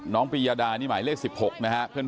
น้องปรียดานี่หมายเลข๑๖นะครับ